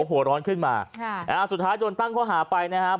หัวร้อนขึ้นมาสุดท้ายโดนตั้งข้อหาไปนะครับ